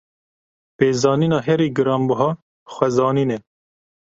Pêzanîna herî giranbiha, xwezanîn e.